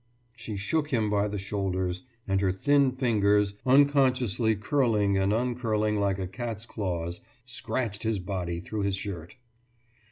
« She shook him by the shoulders, and her thin fingers, unconsciously curling and uncurling like a cat's claws, scratched his body through his shirt.